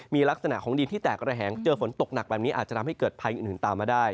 มีลักษณะของดินที่แตกระแหงเจอฝนตกหนักแบบนี้อาจจะทำให้เกิดภัยอื่นตามมาได้